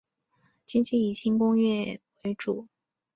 经济以轻工业为主。